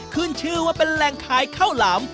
ขึ้นชื่อว่าเป็นแหล่งขายข้าวหลาม